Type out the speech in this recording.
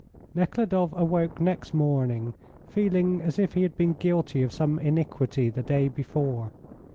Nekhludoff awoke next morning feeling as if he had been guilty of some iniquity the day before.